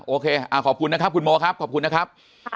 โอเคขอบคุณนะครับคุณโมครับขอบคุณนะครับ